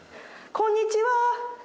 こんにちは。